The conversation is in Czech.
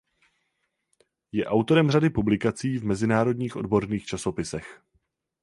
Je autorem řady publikací v mezinárodních odborných časopisech.